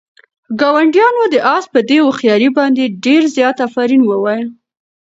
ګاونډیانو د آس په دې هوښیارۍ باندې ډېر زیات آفرین ووایه.